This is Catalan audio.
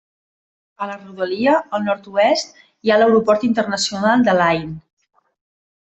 A la rodalia, al nord-oest, hi ha l'aeroport Internacional d'Al-Ain.